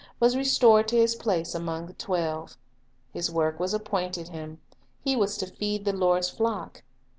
was restored to his place among the twelve. His work was appointed him; he was to feed the Lord's flock.